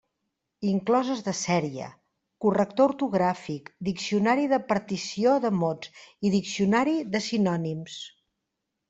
Incloses de sèrie: corrector ortogràfic, diccionari de partició de mots i diccionari de sinònims.